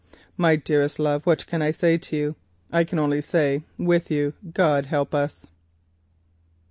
My dearest love, what can I say? I can only say with you, God help us!"